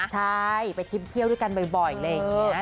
ใช่ไปทิ้มเที่ยวด้วยกันบ่อยอะไรอย่างนี้